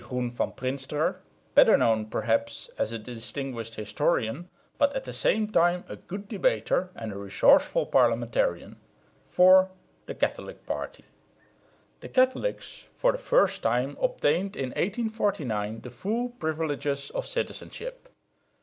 Groen van Prinsterer, better known perhaps as a distinguished historian, but at the same time a good debater and resourceful parliamentarian; (4) the Catholic party. The Catholics for the first time obtained in 1849 the full privileges of citizenship.